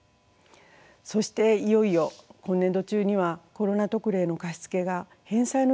そしていよいよ今年度中にはコロナ特例の貸し付けが返済の時期を迎えます。